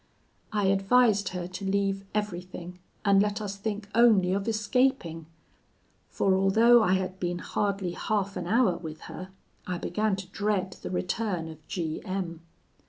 "I advised her to leave everything, and let us think only of escaping for although I had been hardly half an hour with her, I began to dread the return of G M